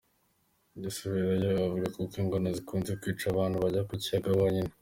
Gasirabo avuga ko ingona zikunze kwica abantu bajya ku kiyaga bonyine.